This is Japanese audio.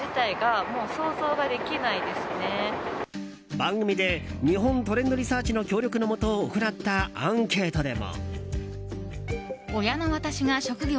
番組で日本トレンドリサーチの協力のもと行ったアンケートでも。